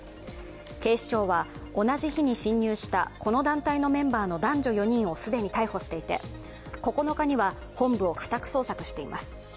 警視庁は、同じ日に侵入したこの団体のメンバーの男女４人を既に逮捕していて９日には本部を家宅捜索しています